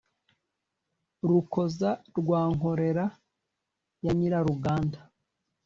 rukoza rwa nkorera ya nyiruruganda,